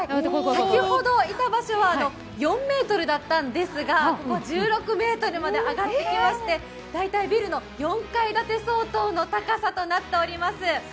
先ほどいた場所は４ｍだったんですがここ１６ｍまで上がってきまして大体ビルの４階建て相当の高さとなっております。